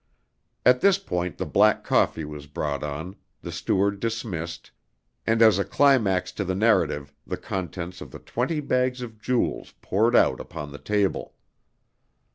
At this point the black coffee was brought on, the steward dismissed, and as a climax to the narrative the contents of the twenty bags of jewels poured out upon the table.